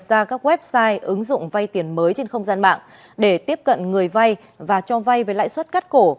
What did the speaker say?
ra các website ứng dụng vay tiền mới trên không gian mạng để tiếp cận người vay và cho vay với lãi suất cắt cổ